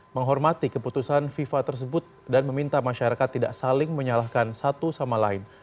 menghormati keputusan fifa tersebut dan meminta masyarakat tidak saling menyalahkan satu sama lain